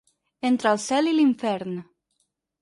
Entre el cel i l’infern.